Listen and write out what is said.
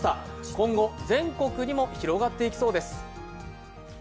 今後、全国にも広がっていきそうです。